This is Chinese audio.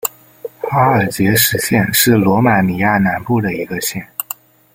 阿尔杰什县是罗马尼亚南部的一个县。